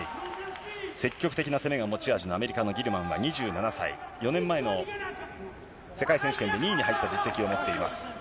積極的な攻めが持ち味なアメリカのギルマンは２７歳、４年前の世界選手権で２位に入った実績を持っています。